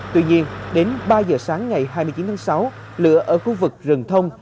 tuy nhiên đến ba giờ sáng ngày hai mươi chín tháng sáu lửa ở khu vực rừng thông